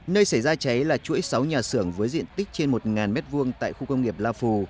nơi xảy ra cháy là chuỗi sáu nhà xưởng với diện tích trên một m hai tại khu công nghiệp la phù